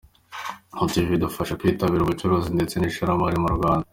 Ati” Ibi bidufasha kwitabira ubucuruzi ndetse n’ishoramari mu Rwanda.